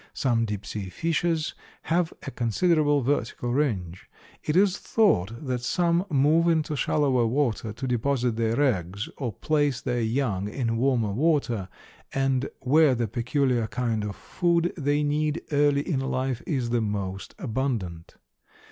Some deep sea fishes have a considerable vertical range. It is thought that some move into shallower water to deposit their eggs or place their young in warmer water, and where the peculiar kind of food they need early in life is the most abundant.